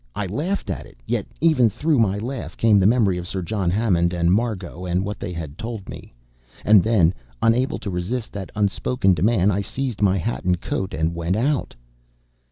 I laughed at it, yet even through my laugh came the memory of Sir John Harmon and Margot, and what they had told me. And then, unable to resist that unspoken demand, I seized my hat and coat and went out.